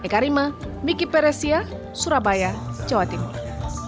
saya mbak bayar jawa timur